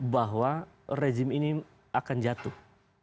bahwa rejim ini akan jatuh